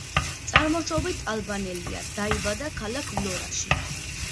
წარმოშობით ალბანელია, დაიბადა ქალაქ ვლორაში.